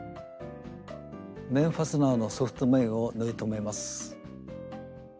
面ファスナーのソフト面を縫い留めます。